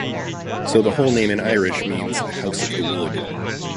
So the whole name in Irish means "House of the Wood".